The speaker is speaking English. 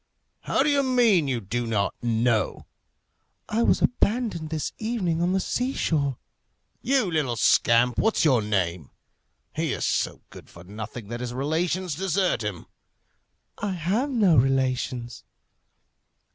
"How do you mean? you don't know?" "I was abandoned this evening on the sea shore." "You little scamp! what's your name? He is so good for nothing that his relations desert him." "I have no relations."